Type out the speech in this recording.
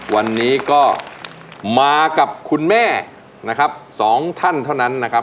วันนี้ก็มากับคุณแม่นะครับสองท่านเท่านั้นนะครับ